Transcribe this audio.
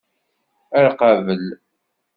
Ar qabel!